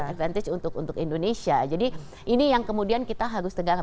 advantage untuk indonesia jadi ini yang kemudian kita harus tegakkan